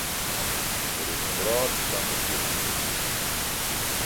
Der is in wrâld foar my iepengien.